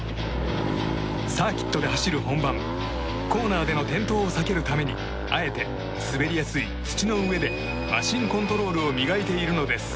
サーキットで走る本番コーナーでの転倒を避けるためにあえて滑りやすい土の上でマシンコントロールを磨いているのです。